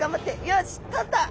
よしとった！